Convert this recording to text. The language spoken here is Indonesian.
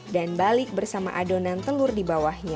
dan balik bersama adonan telur dibawahnya